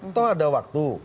atau ada waktu